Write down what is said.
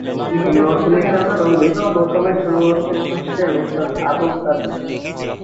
তার নজরুল সঙ্গীতের প্রথম গুরু হচ্ছেন কুষ্টিয়ার ওস্তাদ আবদুল কাদের।